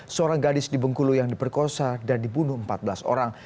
seorang gadis di bengkulu yang diperkosa dan dibunuh empat belas orang